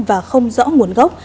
và không rõ nguồn gốc